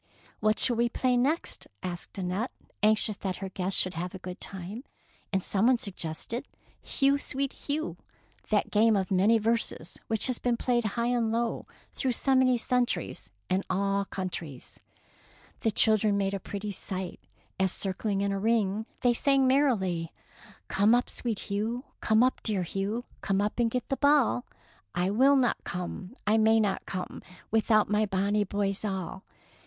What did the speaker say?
"What shall we play next?'' asked Annette, anxious that her guests should have a good time, and some one sug gested " Hugh, Sweet Hugh,^' that game of many verses which has been played by high and low through so many cen turies and in all countries. 183 DEEDS OF DAKING The children made a pretty sight as, circling in a ring, they sang merrily, —'' Come up, sweet Hugh, come up, dear Hugh, Come up and get the ball. " I will not come, I may not come. Without my bonny boys all.